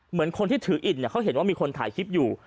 เหมือนคนที่ถืออิ่นเขาเห็นว่ามีคนถ่ายคลิปอยู่